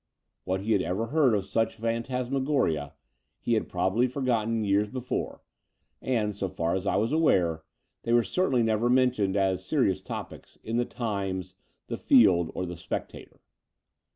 What he had ever heard of such phantasmagoria he had probably forgotten years before : and, so far as I was aware, they were cer tainly never mentioned as serious topics in the Times, the Field, or the Spectator.